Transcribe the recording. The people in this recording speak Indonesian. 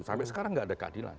sampai sekarang nggak ada keadilan